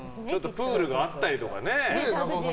プールがあったりとかね。